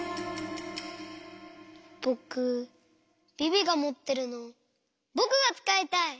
ぼくビビがもってるのぼくがつかいたい！